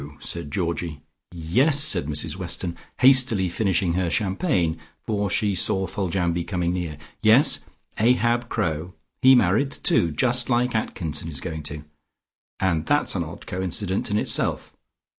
said Georgie. "Yes!" said Mrs Weston, hastily finishing her champagne, for she saw Foljambe coming near "Yes, Ahab Crowe. He married, too, just like Atkinson is going to, and that's an odd coincidence in itself.